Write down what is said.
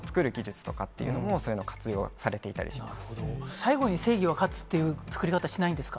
最後に正義は勝つっていう作り方しないんですか？